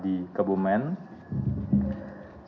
pengumuman tersangka di kabumen